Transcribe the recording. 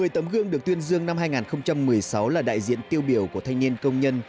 một mươi tấm gương được tuyên dương năm hai nghìn một mươi sáu là đại diện tiêu biểu của thanh niên công nhân